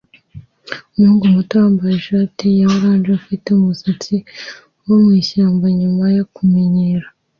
Umuhungu muto wambaye ishati ya orange afite umusatsi wo mwishyamba nyuma yo kunyerera